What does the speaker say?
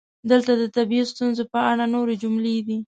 دلته د طبیعي ستونزو په اړه نورې جملې دي: